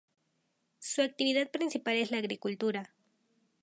Su actividad principal es la agricultura.